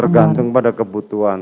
tergantung pada kebutuhan